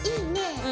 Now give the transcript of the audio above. うん。